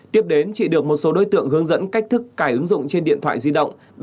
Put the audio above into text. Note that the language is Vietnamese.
tiếp đến chị được một số đối tượng hướng dẫn cách thức cài ứng dụng trên điện thoại di động